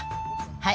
はい。